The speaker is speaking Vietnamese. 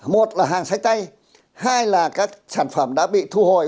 một là hàng sách tay hai là các sản phẩm đã bị thu hồi